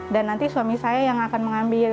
dan nanti suami saya yang akan mengambil